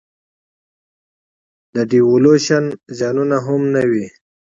د devaluation زیانونه هم نه وي.